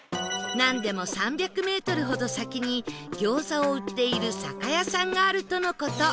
なんでも３００メートルほど先に餃子を売っている酒屋さんがあるとの事